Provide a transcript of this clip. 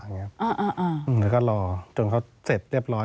แล้วก็รอจนเขาเสร็จเรียบร้อย